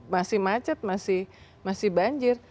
masih macet masih banjir